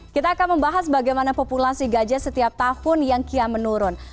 kita akan membahas bagaimana populasi gajah setiap tahun yang kian menurun